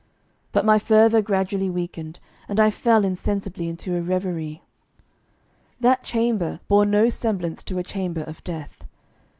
But my fervour gradually weakened, and I fell insensibly into a reverie. That chamber bore no semblance to a chamber of death.